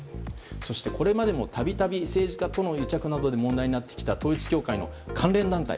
そしてこれまでもたびたび政治家との癒着などで問題になってきた統一教会の関連団体